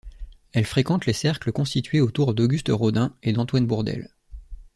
Elle fréquente les cercles constitués autour d'Auguste Rodin et d'Antoine Bourdelle.